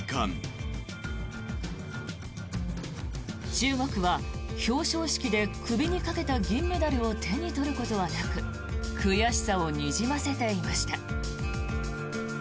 中国は表彰式で首にかけた銀メダルを手に取ることはなく悔しさをにじませていました。